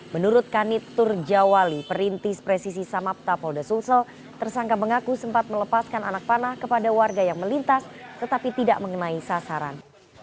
menurut kanit turjawali perintis presisi samapta polda sulsel tersangka mengaku sempat melepaskan anak panah kepada warga yang melintas tetapi tidak mengenai sasaran